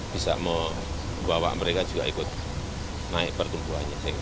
bisa membawa mereka juga ikut naik pertumbuhannya